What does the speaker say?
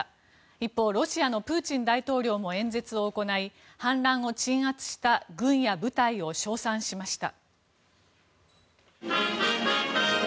一方、ロシアのプーチン大統領も演説を行い反乱を鎮圧した軍や部隊を称賛しました。